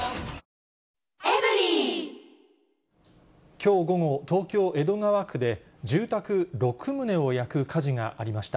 きょう午後、東京・江戸川区で、住宅６棟を焼く火事がありました。